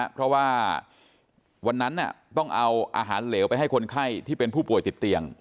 เพราะว่าวันนั้นต้องเอาอาหารเหลวไปให้คนไข้ที่เป็นผู้ป่วยติดเตียง